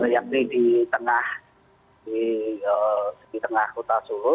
yakni di tengah kota solo